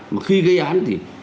mà khi gây án thì